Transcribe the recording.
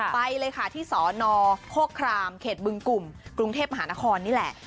ไปเลยค่ะที่สนโคครามเขตบึงกลุ่มกรุงเทพมหานครนี่แหละ